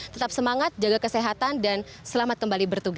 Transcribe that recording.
tetap semangat jaga kesehatan dan selamat kembali berada di rumah